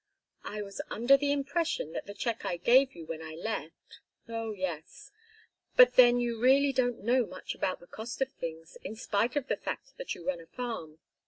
"I was under the impression that the check I gave you when I left " "Oh yes, but then you really don't know much about the cost of things, in spite of the fact that you run a farm.